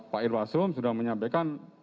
pak irwasum sudah menyampaikan